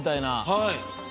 はい。